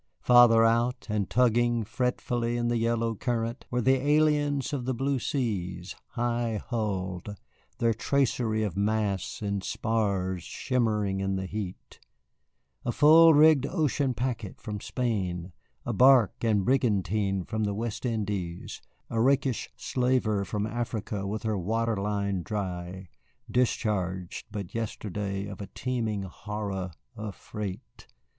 Farther out, and tugging fretfully in the yellow current, were the aliens of the blue seas, high hulled, their tracery of masts and spars shimmering in the heat: a full rigged ocean packet from Spain, a barque and brigantine from the West Indies, a rakish slaver from Africa with her water line dry, discharged but yesterday of a teeming horror of freight.